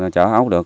trở ấu được